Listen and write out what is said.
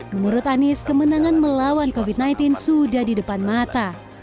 menurut anies kemenangan melawan covid sembilan belas sudah di depan mata